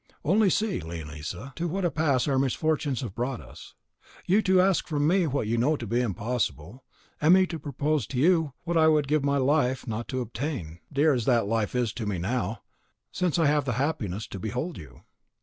Only see, Leonisa, to what a pass our misfortunes have brought us; you to ask from me what you know to be impossible; and me to propose to you what I would give my life not to obtain, dear as that life is to me now, since I have the happiness to behold you."